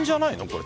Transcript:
これ。